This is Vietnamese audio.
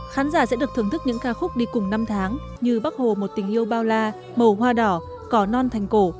khán giả sẽ được thưởng thức những ca khúc đi cùng năm tháng như bắc hồ một tình yêu bao la màu hoa đỏ cỏ non thành cổ